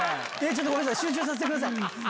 ごめんなさい集中させてください。